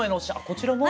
こちらも？